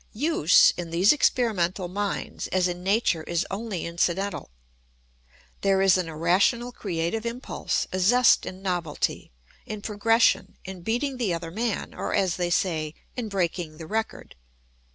Use, in these experimental minds, as in nature, is only incidental. There is an irrational creative impulse, a zest in novelty, in progression, in beating the other man, or, as they say, in breaking the record.